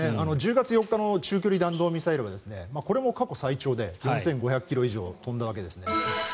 １０月４日の中距離弾道ミサイルは過去最長で４５００ｋｍ以上飛んだわけです。